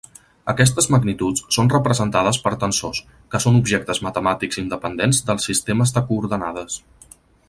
Aquestes magnituds són representades per tensors, que són objectes matemàtics independents dels sistemes de coordenades.